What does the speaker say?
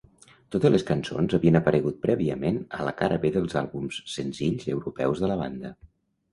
Totes les cançons havien aparegut prèviament a la cara B dels àlbums senzills europeus de la banda.